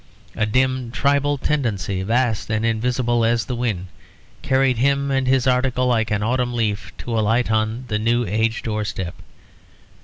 A dim tribal tendency, vast and invisible as the wind, carried him and his article like an autumn leaf to alight on the New Age doorstep.